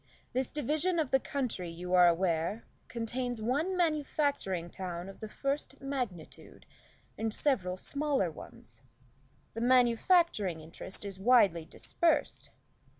This division of the county, you are aware, contains one manufacturing town of the first magnitude, and several smaller ones. The manufacturing interest is widely dispersed.